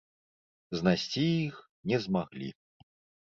Знайсці іх не змаглі.